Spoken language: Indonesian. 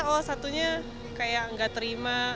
oh satunya kayak nggak terima